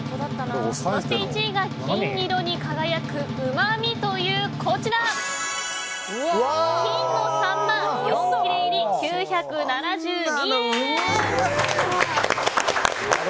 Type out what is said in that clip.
そして１位が金色に輝くうまみという金のさんま、４切れ入り９７２円。